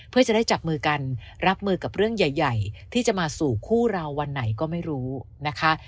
เพื่อจะได้จับมือกันรับมือกับเรื่องใหญ่ที่จะมาสู่คู่เราวันไหนก็ไม่รู้นะคะ